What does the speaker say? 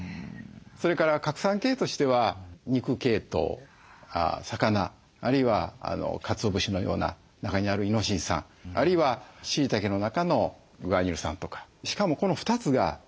それから核酸系としては肉系統魚あるいはかつお節のような中にあるイノシン酸。あるいはしいたけの中のグアニル酸とか。